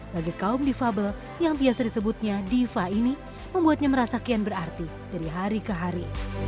bagi kaum difabel yang biasa disebutnya diva ini membuatnya merasa kian berarti dari hari ke hari